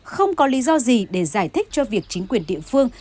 không có lý do gì để giải thích cho việc chính quyền địa phương